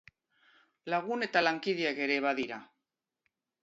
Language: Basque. Lagun eta lankideak ere badira.